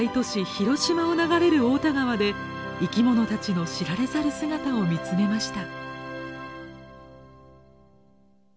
広島を流れる太田川で生き物たちの知られざる姿を見つめました。